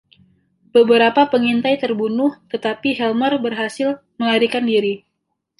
Beberapa pengintai terbunuh, tetapi Helmer berhasil melarikan diri.